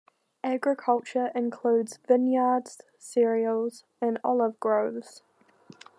Agriculture includes vineyards, cereals, and olive groves.